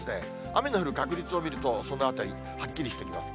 雨の降る確率を見ると、そのあたり、はっきりしてきます。